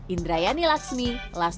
indrayani laxmi last minute news